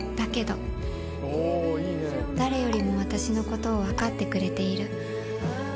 「誰よりも私のことを分かってくれている」